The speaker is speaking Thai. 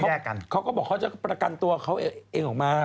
ประกันเขาก็บอกเขาจะประกันตัวเขาเองออกมา